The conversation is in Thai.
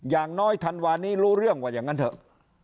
อย่างน้อยธันวานี้รู้เรื่องว่าอย่างนั้นเถอะ